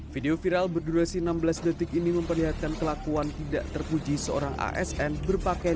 video viral berdurasi enam belas detik ini memperlihatkan kelakuan tidak terpuji seorang asn berpakaian